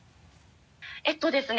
えっとですね